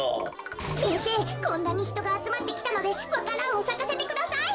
こんなにひとがあつまってきたのでわか蘭をさかせてください！